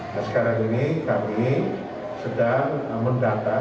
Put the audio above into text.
nah sekarang ini kami sedang mendata